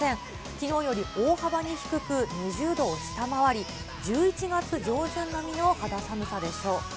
きのうより大幅に低く、２０度を下回り、１１月上旬並みの肌寒さでしょう。